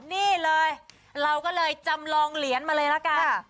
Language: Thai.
นี่เลยเราก็เลยจำลองเหรียญมาเลยละกัน